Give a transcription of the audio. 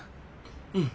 うん。